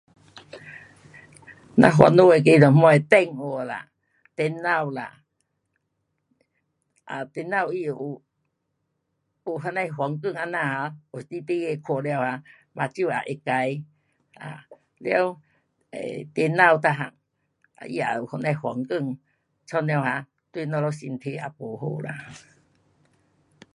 咱烦恼那个是什么电话啦，电脑啦，um 电脑它会有，有那呐反光，有时你 um 会看了啊，眼睛也会坏。um 了电脑每样它也有那呐反光，弄了 um 对咱身体较不好啦。